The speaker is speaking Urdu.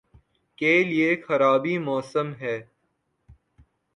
کے لئے خرابیٔ موسم ہے۔